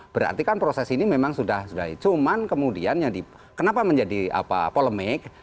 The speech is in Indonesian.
berarti kan proses ini memang sudah cuman kemudian kenapa menjadi polemik